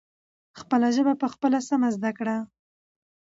خپله ژبه پخپله سمه زدکړئ.